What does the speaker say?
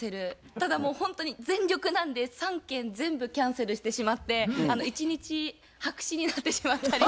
ただもうほんとに全力なんで３件全部キャンセルしてしまって一日白紙になってしまったりっていうのも。